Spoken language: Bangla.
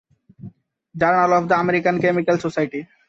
Journal of the American Chemical society.